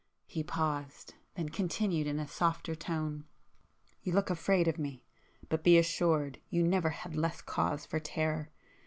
He paused,—then continued in a softer tone—"You look afraid of me,—but be assured you never had less cause for terror.